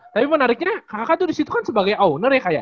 tapi menariknya kakak kakak tuh disitu kan sebagai owner ya kak ya